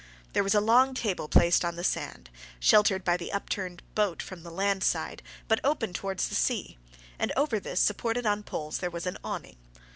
There was a long table placed on the sand, sheltered by the upturned boat from the land side, but open towards the sea, and over this, supported on poles, there was an awning.